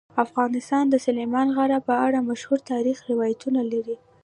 افغانستان د سلیمان غر په اړه مشهور تاریخی روایتونه لري.